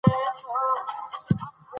د امبولانس سرعت ولې په سړک کې داسې زیات شو؟